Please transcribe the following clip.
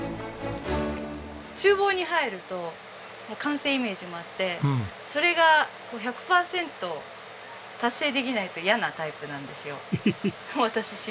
厨房に入ると完成イメージもあってそれが１００パーセント達成できないと嫌なタイプなんですよ。